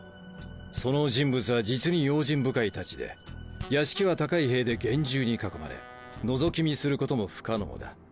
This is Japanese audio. その人物は実に用心深いたちで屋敷は高い塀で厳重に囲まれのぞき見することも不可能だ。